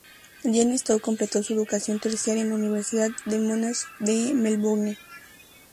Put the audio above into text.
Jenny Stow completó su educación terciaria en la Universidad de Monash de Melbourne.